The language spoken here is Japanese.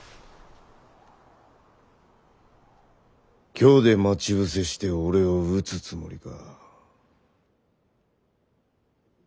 京で待ち伏せして俺を討つつもりか？